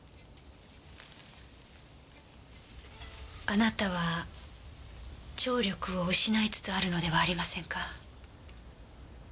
あなたは聴力を失いつつあるのではありませんか？